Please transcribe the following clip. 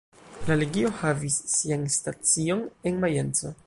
La legio havis sian stacion en Majenco.